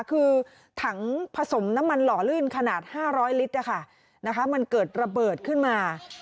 คือถังผสมน้ำมันหล่อลื่นขนาด๕๐๐ลิตรมันเกิดระเบิดขึ้นมา